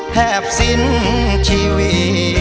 แทบสิ้นชีวิต